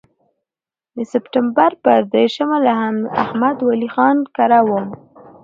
د سپټمبر پر دېرشمه له احمد ولي خان کره وم.